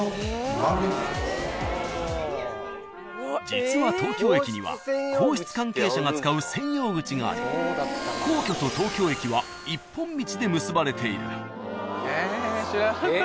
［実は東京駅には皇室関係者が使う専用口があり皇居と東京駅は一本道で結ばれている］